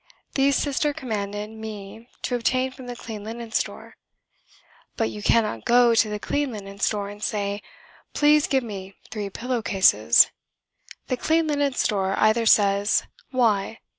These Sister commanded me to obtain from the Clean Linen Store. But you cannot go to the Clean Linen Store and say "Please give me three pillow cases." The Clean Linen Store either says "Why?"